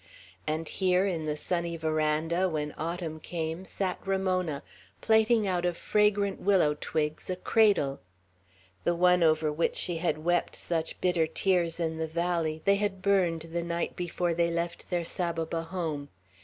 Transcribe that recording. And here, in the sunny veranda, when autumn came, sat Ramona, plaiting out of fragrant willow twigs a cradle. The one over which she had wept such bitter tears in the valley, they had burned the night before they left their Saboba home.